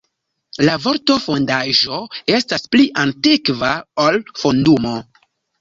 La vorto "fondaĵo" estas pli antikva ol "fondumo".